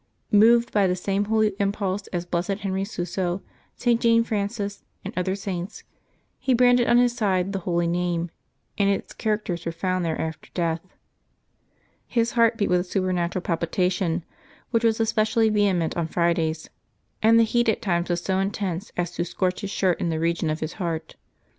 Moved by the same holy impulse as Blessed Henry Suso, St. Jane Frances, and other Saints, he branded on his side the Holy Name, and its characters were found there after death. His heart beat with a supernatural pal pitation, which was especially vehement on Fridays, and the heat at times was so intense as to scorch his shirt in the region of his heart.